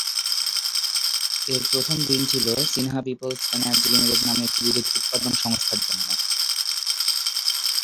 এর প্রথম ঋণ ছিল সিনহা পিপলস এনার্জি লিমিটেড নামে একটি বিদ্যুৎ উৎপাদন সংস্থার জন্য।